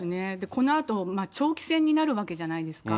このあと長期戦になるわけじゃないですか。